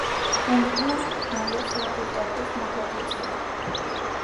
Հանդիպում են նաև ֆակուլտատիվ մակաբույծներ։